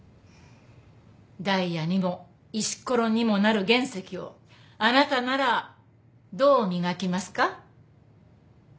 ダイヤにも石ころにもなる原石をあなたならどう磨きますか？